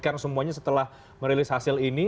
karena semuanya setelah merilis hasil ini